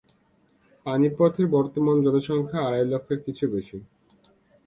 পানিপথের বর্তমান জনসংখ্যা আড়াই লক্ষের কিছু বেশি।